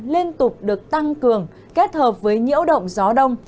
liên tục được tăng cường kết hợp với nhiễu động gió đông